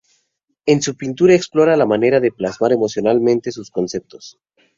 En su pintura explora la manera de plasmar emocionalmente sus conceptos.